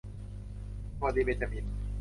สวัสดีเบ็นจามิน